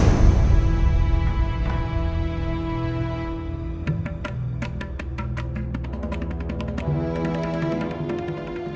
tapi sudah ditangani dengan berat